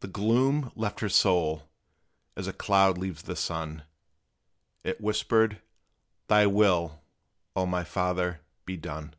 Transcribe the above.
The gloom left her soul, as a cloud leaves the sun; It whispered, "Thy will, O my Father, be done!"